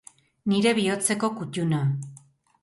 Nire bihotzeko kutuna.